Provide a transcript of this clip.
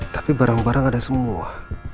tapi barang barang ada semua